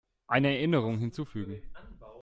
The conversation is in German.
Eine Erinnerung hinzufügen.